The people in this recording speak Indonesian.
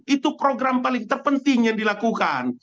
itu program paling terpenting yang dilakukan